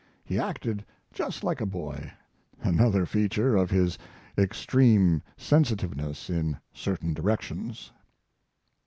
He acted just like a boy; another feature of his extreme sensitiveness in certain directions.